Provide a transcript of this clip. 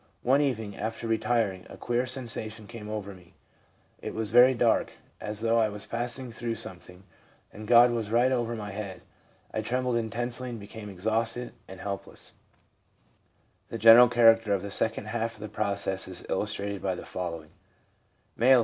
One evening, after retiring, a queer sensation came over me ; it was very dark, as though I was pass ing through something, and God was right over my head. I trembled intensely, and became exhausted and helpless/ The general character of the second half of the process is illustrated by the following: M., 16.